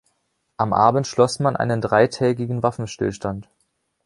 Am Abend schloss man einen dreitägigen Waffenstillstand.